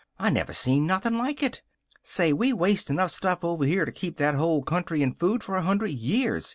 I never seen nothin' like it. Say, we waste enough stuff over here to keep that whole country in food for a hundred years.